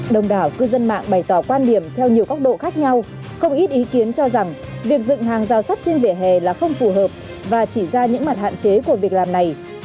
đồng đảo cư dân mạng bày tỏ quan điểm theo nhiều góc độ khác nhau không ít ý kiến cho rằng việc dựng hàng rào sắt trên vỉa hè là không phù hợp và chỉ ra những mặt hạn chế của việc làm này